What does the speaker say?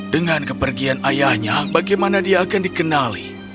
dengan kepergian ayahnya bagaimana dia akan dikenali